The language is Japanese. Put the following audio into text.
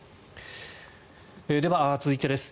では、続いてです。